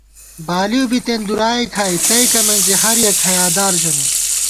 بالِؤ بِتېن دُرائےکھائی تئیکہ مِنزی ہر یَک حیادار ژَمېت